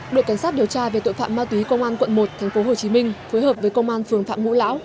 đội cảnh sát điều tra về tội phạm ma túy công an quận một tp hcm phối hợp với công an phường phạm ngũ lão